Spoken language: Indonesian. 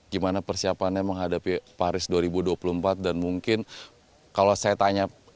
gimana persiapannya menghadapi paris dua ribu dua puluh empat dan mungkin kalau saya tanya